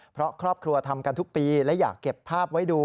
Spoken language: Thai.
เพราะครอบครัวทำกันทุกปีและอยากเก็บภาพไว้ดู